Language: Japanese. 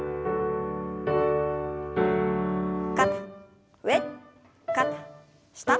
肩上肩下。